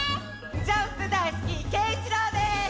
ジャンプだいすきけいいちろうです！